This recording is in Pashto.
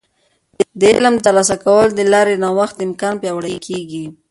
د علم د ترلاسه کولو د لارې د نوښت امکان پیاوړی کیږي.